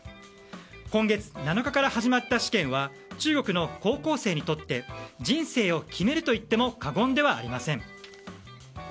今月７日から始まった試験は中国の高校生にとって人生を決めるといっても過言ではありません。